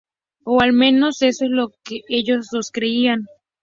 O al menos eso es lo que ellos dos creían.